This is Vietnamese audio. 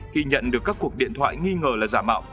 khi nhận được các cuộc điện thoại nghi ngờ là giả mạo